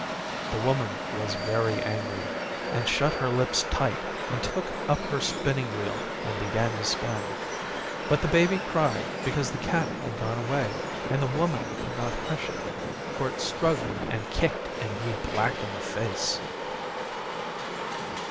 The Woman was very angry, and shut her lips tight and took up her spinning wheel and began to spin. But the Baby cried because the Cat had gone away, and the Woman could not hush it, for it struggled and kicked and grew black in the face.